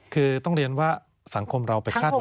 คือต้องเรียนว่าสังคมเราไปคาดเดา